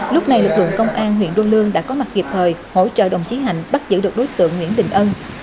lúc này lực lượng công an huyện đô lương đã có mặt kịp thời hỗ trợ đồng chí hạnh bắt giữ được đối tượng nguyễn đình ân